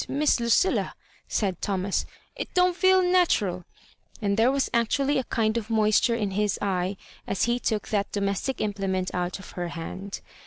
Miss Lu cilla," said Thomas; "it don't feel natural;" and there was actually a kind of moisture in his eye as he took that domestic implement out of her hand.